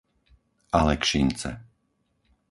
Alekšince